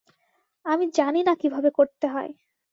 আমি জানি না কীভাবে করতে হয়।